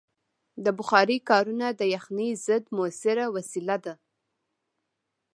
د بخارۍ کارونه د یخنۍ ضد مؤثره وسیله ده.